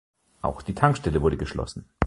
Auch die Tankstelle wurde geschlossen.